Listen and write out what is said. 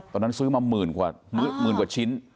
ตอนนั้นซื้อมาหมื่นกว่าชิ้น